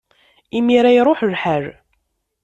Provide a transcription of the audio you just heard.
Imir-a, iṛuḥ lḥal!